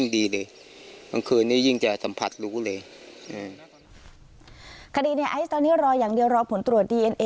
ที่เราสัมผัสได้ที่เราเห็นได้